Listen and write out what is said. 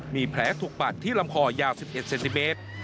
มีแผลถูกปัดที่ลำคอยาว๑๑เซนติเมตร